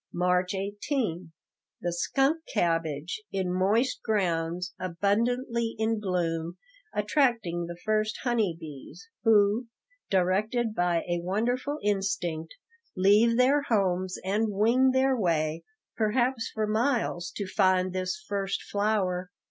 March 18 The skunk cabbage, in moist grounds, abundantly in bloom, attracting the first honey bees, who, directed by a wonderful instinct, leave their homes and wing their way, perhaps for miles, to find this first flower.